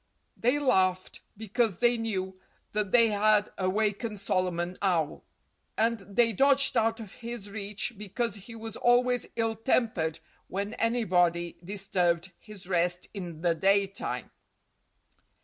They laughed because they knew that they had awakened Solomon Owl. And they dodged out of his reach because he was always ill tempered when anybody disturbed his rest in the daytime.